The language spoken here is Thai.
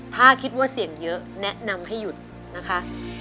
ถ้าคิดว่าเสี่ยงเยอะแนะนำให้หยุดนะคะ